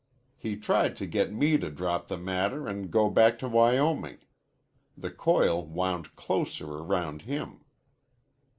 He tried to get me to drop the matter an' go back to Wyoming. The coil wound closer round him.